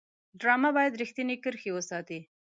ډرامه باید رښتینې کرښې وساتي